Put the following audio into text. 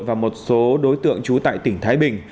và một số đối tượng trú tại tỉnh thái bình